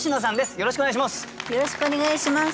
よろしくお願いします。